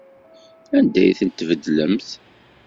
Anda ay tent-tbeddlemt?